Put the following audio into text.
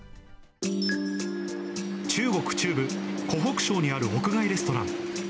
中国中部、湖北省にある屋外レストラン。